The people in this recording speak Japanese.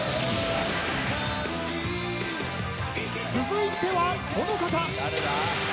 続いてはこの方。